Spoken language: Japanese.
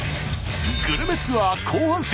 グルメツアー後半戦。